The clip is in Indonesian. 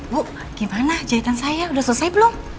bu gimana jahitan saya sudah selesai belum